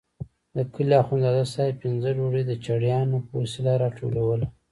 د کلي اخندزاده صاحب پخه ډوډۍ د چړیانو په وسیله راټولوله.